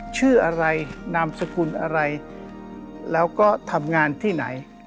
ชื่ออะไรนามสกุลอะไรแล้วก็ทำงานที่ไหน